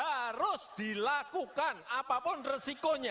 harus dilakukan apapun resikonya